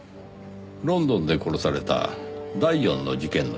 ロンドンで殺された第四の事件の被害者です。